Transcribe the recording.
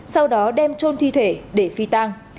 sau đó đem trôn thi thể để phi tang